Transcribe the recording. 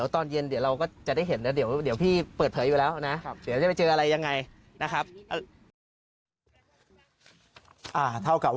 ตรงนี้จะมีโอกาสได้คุยกับพยาน๒ลงพลทั้งหมดไหมครับ